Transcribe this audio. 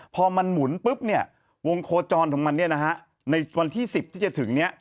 พอมันหมุนปุ๊บวงโคจรของมันในวันที่๑๐ที่จะถึง